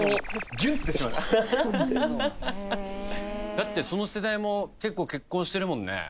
だってその世代も結構結婚してるもんね。